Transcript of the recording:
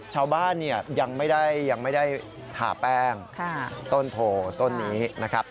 ชาวบ้านยังไม่ได้หาแป้งต้นโพรต้นนี้นะครับ